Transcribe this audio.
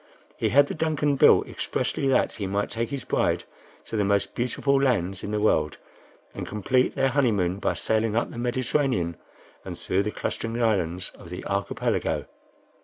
He had the DUNCAN built expressly that he might take his bride to the most beautiful lands in the world, and complete their honeymoon by sailing up the Mediterranean, and through the clustering islands of the Archipelago.